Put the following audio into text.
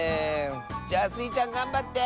じゃあスイちゃんがんばって！